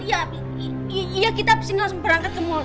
ya iya kita harus berangkat ke mall